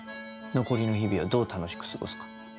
残りの日々をどう楽しく過ごすか。